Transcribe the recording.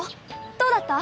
どうだった？